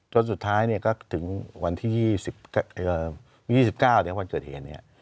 จนสุดท้ายก็ถึงวันที่๒๙วันเกิดเหตุเนี่ย